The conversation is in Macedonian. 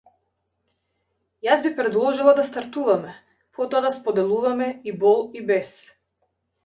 Јас би предложила да стартуваме, потоа да споделуваме и бол и бес.